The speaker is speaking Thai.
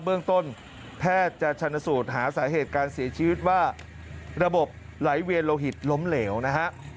เบื้องต้นแพทย์จะชนสูตรหาสาเหตุการเสียชีวิตว่าระบบไหลเวียนโลหิตล้มเหลวนะฮะ